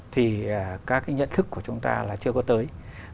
thì các cái nhận thức của chúng ta là chưa có tới